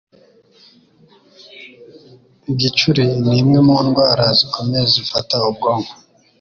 Igicuri ni imwe mu ndwara zikomeye zifata ubwonko